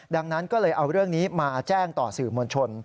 ดังนั้นก็เลยเอาเรื่องนี้มาแจ้งต่อสื่อมวลชน